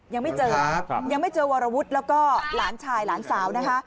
ยังไม่เจอยังไม่เจอวรวุฒิแล้วก็หลานชายหลานสาวนะคะ